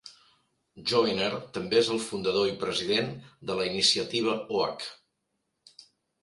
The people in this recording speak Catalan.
Joyner també es el fundador i president de la Iniciativa Oak.